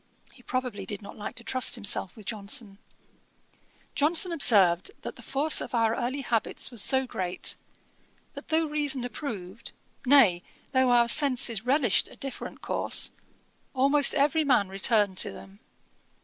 He probably did not like to trust himself with JOHNSON! Johnson observed, that the force of our early habits was so great, that though reason approved, nay, though our senses relished a different course, almost every man returned to them.